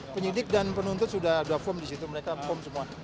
penyidik dan penuntut sudah form di situ mereka form semua